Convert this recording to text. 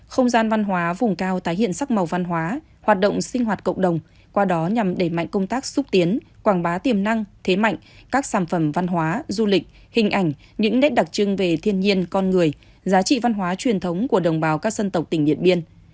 không gian văn hóa vùng cao tái hiện sắc màu văn hóa hoạt động sinh hoạt cộng đồng qua đó nhằm đẩy mạnh công tác xúc tiến quảng bá tiềm năng thế mạnh các sản phẩm văn hóa du lịch hình ảnh những nét đặc trưng về thiên nhiên con người giá trị văn hóa truyền thống của đồng bào các dân tộc tỉnh điện biên